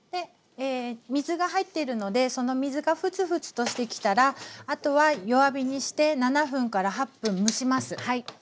水が入ってるのでその水がフツフツとしてきたらあとは弱火にして７分８分蒸します。